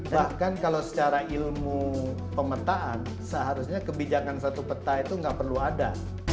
bahkan kalau secara ilmu pemetaan seharusnya kebijakan satu peta itu nggak perlu ada